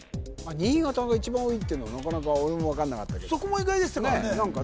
新潟が一番多いってのはなかなか俺もわかんなかったけどそこも意外でしたからねねえ何かね